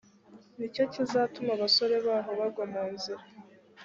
ni cyo kizatuma abasore baho bagwa mu nzira